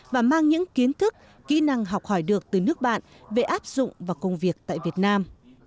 và mang những kiến thức kỹ năng học hỏi được từ nước bạn về áp dụng và công việc tại việt nam